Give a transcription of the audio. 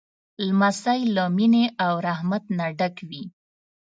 لمسی له مینې او رحمت نه ډک وي.